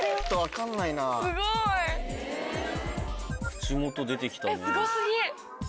口元出て来たね。